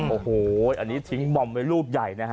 โอ้โหอันนี้ทิ้งบอมไว้ลูกใหญ่นะฮะ